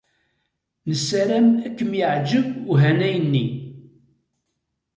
Nessaram ad kem-yeɛjeb uhanay-nni.